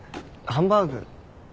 ハンバーグ？